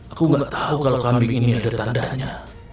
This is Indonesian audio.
aku gak tahu kalo kambing ini ada tandanya